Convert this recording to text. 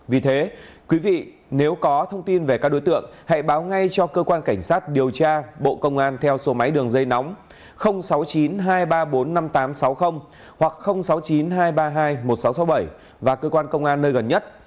vì thế quý vị nếu có thông tin về các đối tượng hãy báo ngay cho cơ quan cảnh sát điều tra bộ công an theo số máy đường dây nóng sáu mươi chín hai trăm ba mươi bốn năm nghìn tám trăm sáu mươi hoặc sáu mươi chín hai trăm ba mươi hai một nghìn sáu trăm sáu mươi bảy và cơ quan công an nơi gần nhất